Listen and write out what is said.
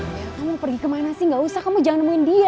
kamu pergi kemana sih gak usah kamu jangan nemuin dia